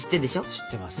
知ってます。